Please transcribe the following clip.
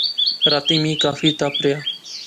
راتی میں کافی تپ رہیا